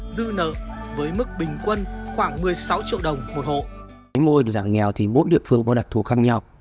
dư nợ với mức bình quân khoảng một mươi sáu triệu đồng một hộ